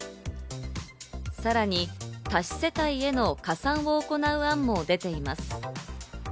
さらに多子世帯への加算を行う案も出ています。